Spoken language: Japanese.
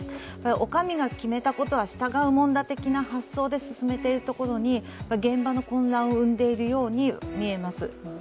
お上が決めたものは従うもんだ的な発想で進めているものに現場の混乱を生んでいるように見えます。